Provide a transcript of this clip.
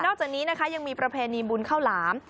นอกจากนี้ยังมีประเพณีบุญข้าวหลาม